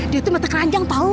dia itu mata keranjang tahu